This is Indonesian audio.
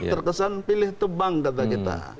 terkesan pilih tebang data kita